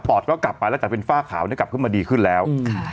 ปอดก็กลับไปเป็นฝ้าขาวกลับมาอีกแล้ว